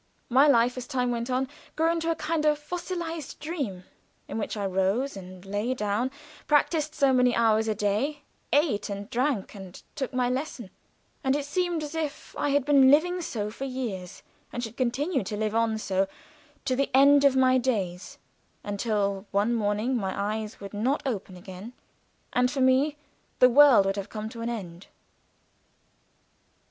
My life, as time went on, grew into a kind of fossilized dream, in which I rose up and lay down, practiced so many hours a day, ate and drank and took my lesson, and it seemed as if I had been living so for years, and should continue to live on so to the end of my days until one morning my eyes would not open again, and for me the world would have come to an end.